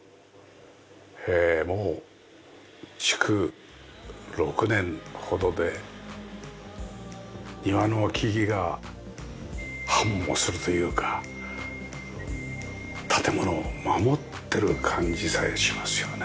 もう築６年ほどで庭の木々が繁茂するというか建物を守ってる感じさえしますよね。